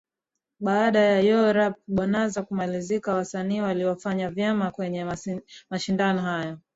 Baada ya Yo Rap Bonanza kumalizika wasanii waliofanya vyema kwenye mashindano hayo